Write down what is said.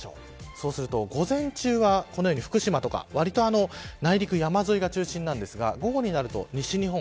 そうすると午前中はこのように福島とか割と内陸、山沿いが中心なんですが午後になると西日本。